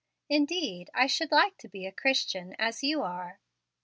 Indeed, I should like to be a Christian, as you are."